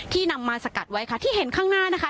นำมาสกัดไว้ค่ะที่เห็นข้างหน้านะคะ